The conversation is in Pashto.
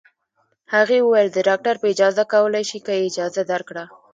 هغې وویل: د ډاکټر په اجازه کولای شې، که یې اجازه درکړه.